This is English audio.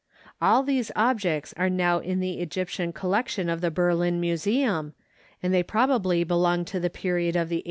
All these objects are now in the Egyptian collection of the Berlin Museum, and they probably belong to the period of the XVIII Dynasty, about 1500 B.